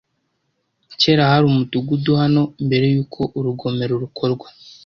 Kera hari umudugudu hano mbere yuko urugomero rukorwa.